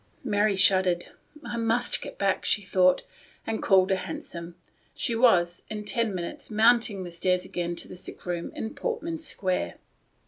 Mary shuddered. " I must get back," she thought, and calling a hansom, she was, in ten minutes, mounting the stairs again to the sick room in Portman Square.